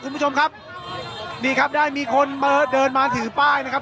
คุณผู้ชมครับนี่ครับได้มีคนมาเดินมาถือป้ายนะครับ